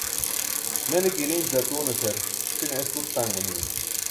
mene ke iiric ce atuunasar c̣ʰine es buṭ taṅ manimi